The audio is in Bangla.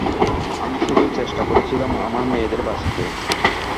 আমি শুধু চেষ্টা করছিলাম আমার মেয়েদের বাঁচাতে।